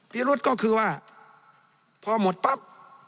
พิรุษก็คือว่าพอหมดปั๊บ